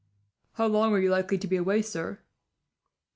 "How long are you likely to be away, sir?"